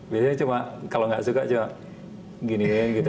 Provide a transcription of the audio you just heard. biasanya cuma kalau nggak suka cuma giniin gitu